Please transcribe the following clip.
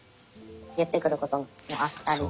言ってくることもあったりして。